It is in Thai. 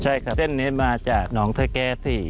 ใช่ครับเส้นนี้มาจากหนองเทอร์แก๊สสิ